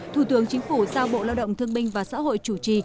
thủ tướng chính phủ giao bộ lao động thương binh và xã hội chủ trì